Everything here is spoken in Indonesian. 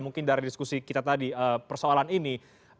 mungkin dari diskusi kita tadi persoalan ini